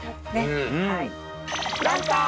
うん。